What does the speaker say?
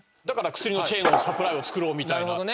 だから薬のチェーンをサプライを作ろうみたいな。